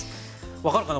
分かるかな？